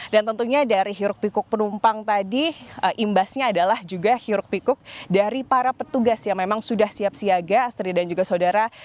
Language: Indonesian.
dan tentunya dari hiruk pikuk penumpang tadi imbasnya adalah juga hiruk pikuk dari para petugas yang memang sudah siap siaga asri dan juga saudara